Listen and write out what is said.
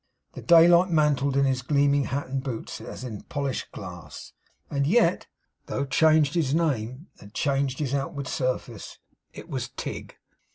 The daylight mantled in his gleaming hat and boots as in a polished glass. And yet, though changed his name, and changed his outward surface, it was Tigg.